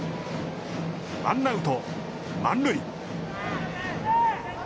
ワンアウト、満塁。